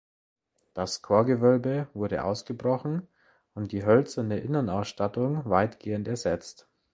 Das Chorgewölbe wurde ausgebrochen und die hölzerne Innenausstattung weitgehend ersetzt.